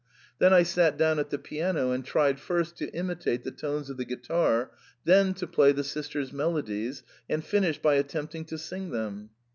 Then I sat down at the piano and tried first to imitate the tones of the guitar, then to play the sisters* melodies, and finished by attempting to sing them.